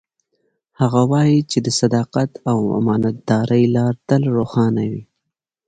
هغه وایي چې د صداقت او امانتدارۍ لار تل روښانه وي